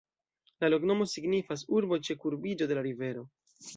La loknomo signifas: urbo ĉe kurbiĝo de la rivero.